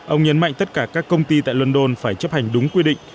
ông nhấn mạnh tất cả các công ty tại london phải chấp hành đúng quy định